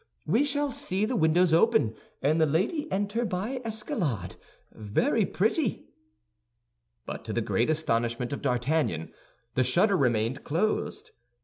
We shall see the windows open, and the lady enter by escalade. Very pretty!" But to the great astonishment of D'Artagnan, the shutter remained closed.